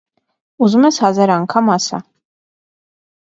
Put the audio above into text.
- Ուզում ես հազար անգամ ասա: